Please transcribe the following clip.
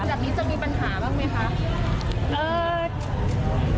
แบบนี้จะมีปัญหาบ้างไหมคะ